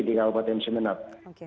ya kabupaten sumeneb